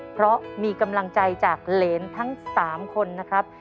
เพราะมีกำลังใจจากเหรนทั้ง๓คนนะครับ